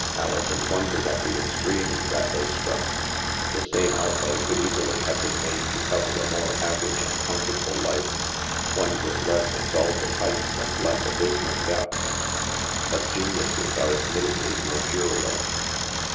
Alison won dered at the extremes that they struck; the same outlay could easily .have been made to cover a more average and comfortable life — one with less ex alted heights and less abysmal depths. But gen iuses are admittedly mercurial.